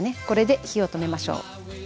これで火を止めましょう。